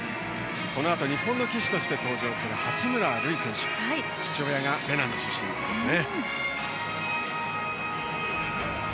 このあと日本の旗手として登場する八村塁選手父親がベナン出身なんですね。